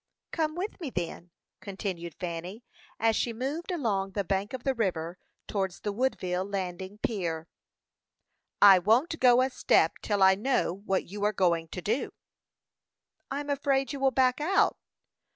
"Come with me, then," continued Fanny, as she moved along the bank of the river towards the Woodville landing pier. "I won't go a step till I know what you are going to do." "I'm afraid you will back out."